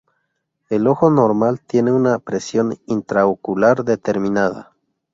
El ojo normal tiene una presión intraocular determinada.